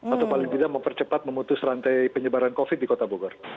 atau paling tidak mempercepat memutus rantai penyebaran covid di kota bogor